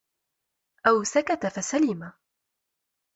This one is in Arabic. أَوْ سَكَتَ فَسَلِمَ